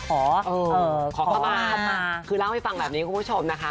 ขอเข้ามาคือเล่าให้ฟังแบบนี้คุณผู้ชมนะคะ